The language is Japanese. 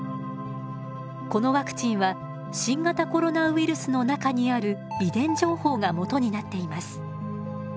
このワクチンは新型コロナウイルスの中にある遺伝情報がもとになっています。